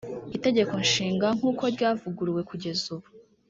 itegeko nshinga nk’uko ryavuguruwe kugeza ubu